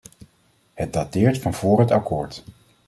Het dateert van voor het akkoord.